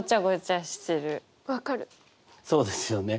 そうですよね。